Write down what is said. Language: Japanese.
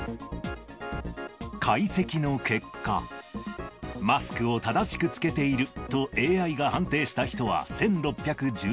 解析の結果、マスクを正しく着けているとＡＩが判定した人は１６１４人。